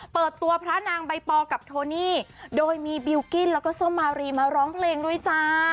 เปิดตัวพระนางใบปอกับโทนี่โดยมีบิลกิ้นแล้วก็ส้มมารีมาร้องเพลงด้วยจ้า